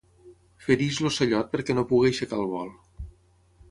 Fereix l'ocellot perquè no pugui aixecar el vol.